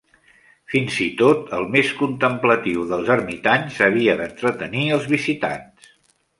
Fins i tot el més contemplatiu dels ermitans havia d'entretenir els visitants.